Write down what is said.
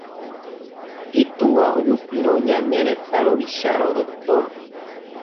Itúva ojupírõ ñane retã ruvichárõ Dr.